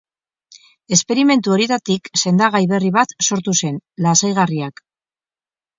Esperimentu horietatik sendagai berri bat sortu zen: lasaigarriak.